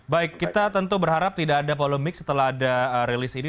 baik kita tentu berharap tidak ada polemik setelah ada rilis ini